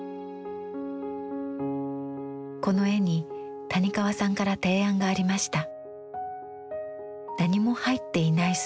この絵に谷川さんから提案がありました。